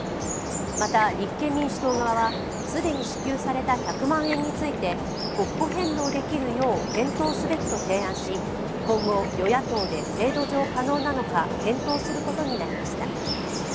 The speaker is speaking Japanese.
また立憲民主党側は既に支給された１００万円について国庫返納できるよう検討すべきと提案し今後、与野党で制度上、可能なのか検討することになりました。